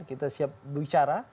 kita siap bicara